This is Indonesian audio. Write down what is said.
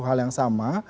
berlaku hal yang sama